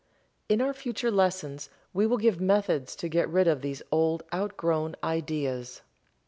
In our future lessons we will give methods to get rid of these old outgrown ideas.